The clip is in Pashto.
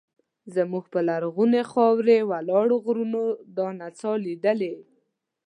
زموږ پر لرغونې خاوره ولاړو غرونو دا نڅا لیدلې.